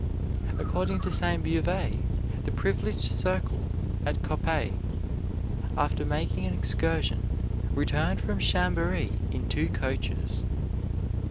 According to St. Beuve, the privileged circle at Coppet after making an excursion returned from Chambéry in two coaches.